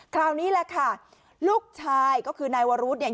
คราวนี้แหละค่ะลูกชายก็คือนายวรุธเนี่ย